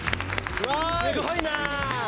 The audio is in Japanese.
すごいなー！